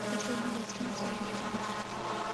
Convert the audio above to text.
Australia Western Standard time